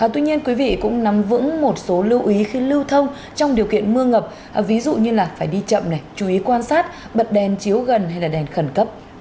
tuy nhiên quý vị cũng nắm vững một số lưu ý khi lưu thông trong điều kiện mưa ngập ví dụ như là phải đi chậm này chú ý quan sát bật đèn chiếu gần hay là đèn khẩn cấp